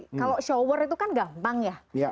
kalau shower itu kan gampang ya